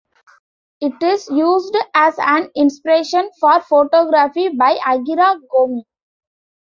It is used as an inspiration for photography by Akira Gomi.